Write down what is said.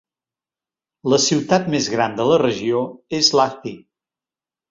La ciutat més gran de la regió és Lahti.